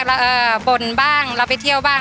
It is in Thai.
บ่นบ้างเราไปเที่ยวบ้าง